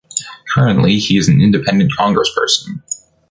Currently, he is an independent congressperson.